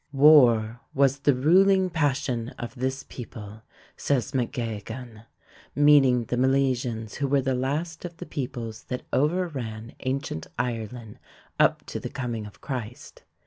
"War was the ruling passion of this people," says MacGeoghegan, meaning the Milesians who were the latest of the peoples that overran ancient Ireland up to the coming of Christ.